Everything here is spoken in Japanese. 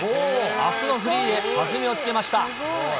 あすのフリーへ弾みをつけました。